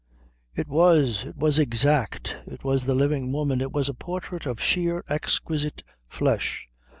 "It was. It was exact. It was the living woman. It was a portrait of sheer, exquisite flesh."